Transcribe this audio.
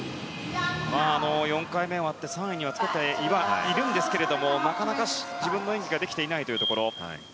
４回目終わって３位にはつけているんですがなかなか自分の演技ができていないところ。